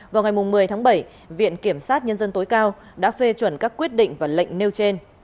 vào ngày một mươi tháng bảy viện kiểm sát nhân dân tối cao đã phê chuẩn các quyết định và lệnh nêu trên